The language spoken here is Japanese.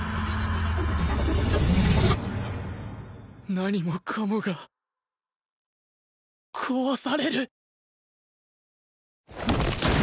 何もかもが壊される！